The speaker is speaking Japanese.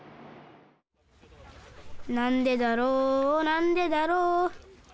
「なんでだろうなんでだろう」